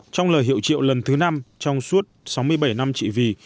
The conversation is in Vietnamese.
trong lời hiệu triệu lần thứ năm trong suốt sáu mươi bảy năm trị vì